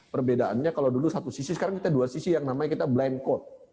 perbedaannya kalau dulu satu sisi sekarang kita dua sisi yang namanya kita blind code